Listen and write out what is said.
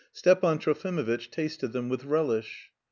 Stepan Trofimovitch tasted them with relish.